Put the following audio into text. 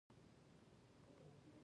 زه اوس ډېره خوشاله یم او ښکلی ژوند لرو.